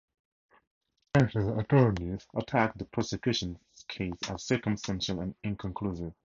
Carpenter's attorneys attacked the prosecution's case as circumstantial and inconclusive.